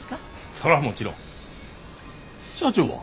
それはもちろん。社長は？